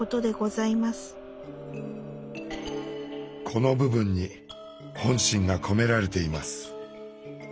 この部分に本心が込められています。